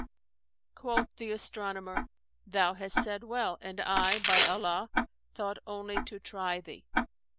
'"[FN#422] Quoth the astronomer, "Thou hast said well, and I, by Allah, thought only to try thee."